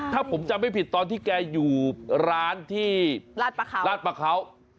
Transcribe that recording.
ถ้าผมจำไม่ผิดตอนที่แกอยู่ร้านที่ลาดปลาเขา